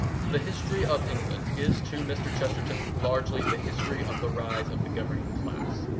The history of England is to Mr. Chesterton largely the history of the rise of the governing class.